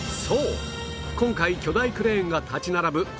そう今回巨大クレーンが立ち並ぶ